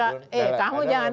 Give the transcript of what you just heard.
eh kamu jangan